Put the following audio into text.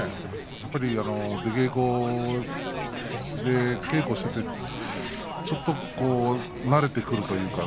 やっぱり出稽古で稽古していてちょっと慣れてくるというか。